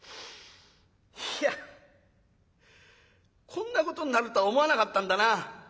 いやこんなことになるとは思わなかったんだな。